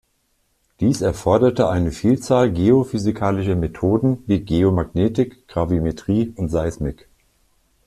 Dies erforderte eine Vielzahl geophysikalischer Methoden wie Geomagnetik, Gravimetrie und Seismik.